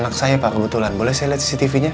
anak saya pak kebetulan boleh saya lihat cctv nya